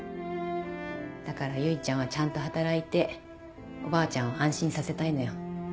だから結ちゃんはちゃんと働いておばあちゃんを安心させたいのよ。